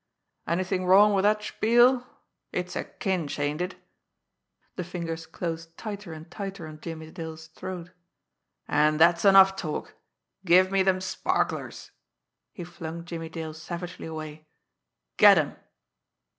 Anything wrong with that spiel? It's a cinch, aint it?" The fingers closed tighter and tighter on Jimmie Dale's throat. "And that's enough talk give me them sparklers!" He flung Jimmie Dale savagely away. "Get 'em!"